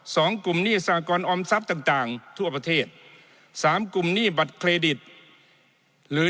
สองกลุ่มหนี้สากรออมทรัพย์ต่างต่างทั่วประเทศสามกลุ่มหนี้บัตรเครดิตหรือ